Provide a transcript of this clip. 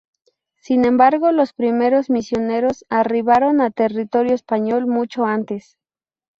Sin embargo, los primeros misioneros arribaron a territorio español mucho antes.